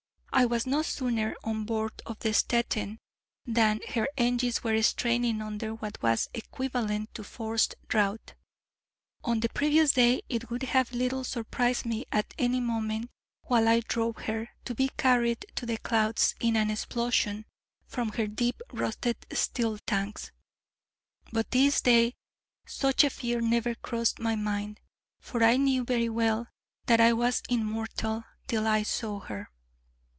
I was no sooner on board the Stettin than her engines were straining under what was equivalent to forced draught. On the previous day it would have little surprised me at any moment, while I drove her, to be carried to the clouds in an explosion from her deep rusted steel tanks: but this day such a fear never crossed my mind: for I knew very well that I was immortal till I saw her.